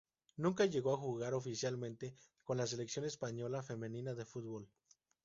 Nunca llegó a jugar oficialmente con la selección española femenina de fútbol.